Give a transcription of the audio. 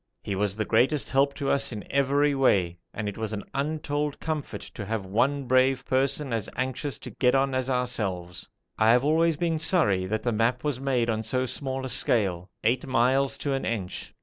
He was the greatest help to us in every way, and it was an untold comfort to have one brave person as anxious to get on as ourselves. I have always been sorry that the map was made on so small a scale eight miles to an inch.